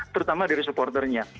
terutama dari supporternya